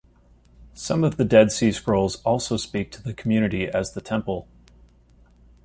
Some of the Dead Sea scrolls also speak of the community as the temple.